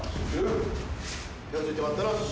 手を付いて待ったなし。